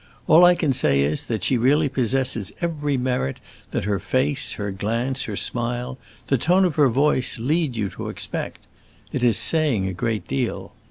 All I can say is that she really possesses every merit that her face, her glance, her smile, the tone of her voice, lead you to expect; it is saying a great deal.